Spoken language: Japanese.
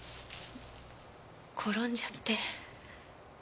転んじゃって。